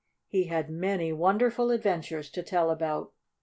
He had many wonderful adventures to tell about.